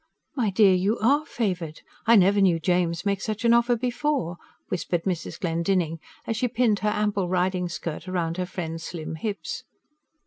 "My dear, you ARE favoured! I never knew James make such an offer before," whispered Mrs. Glendinning, as she pinned her ample riding skirt round her friend's slim hips.